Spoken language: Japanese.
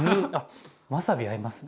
わさび合いますね。